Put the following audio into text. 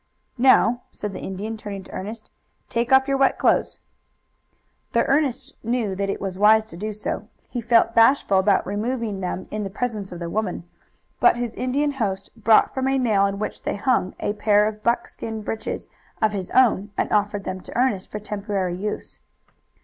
"Now," said the Indian, turning to Ernest, "take off your wet clothes." Though Ernest knew that it was wise to do so, he felt bashful about removing them in presence of the woman. But his Indian host brought from a nail on which they hung a pair of buckskin breeches of his own and offered them to Ernest for temporary use.